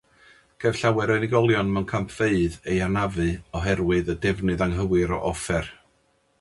Caiff llawer o unigolion mewn campfeydd eu hanafu oherwydd y defnydd anghywir o offer.